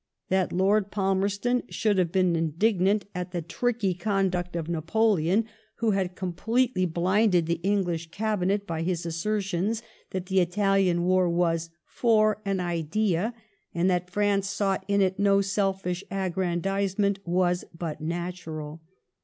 That Lord Palmerston should have been indignant at the tricky conduct of Napoleon, who had completely blinded the English Cabinet by his assertions that the Italian war was '* for an idea," and that France sought in it no selfish aggrandisement, was but natural.